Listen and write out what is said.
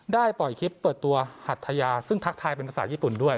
ปล่อยคลิปเปิดตัวหัทยาซึ่งทักทายเป็นภาษาญี่ปุ่นด้วย